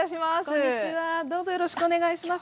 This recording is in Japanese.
こんにちはどうぞよろしくお願いします。